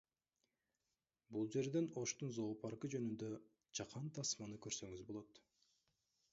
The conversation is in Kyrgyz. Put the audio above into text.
Бул жерден Оштун зоопаркы жөнүндө чакан тасманы көрсөңүз болот